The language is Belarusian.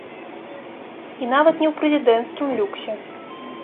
І нават не ў прэзідэнцкім люксе.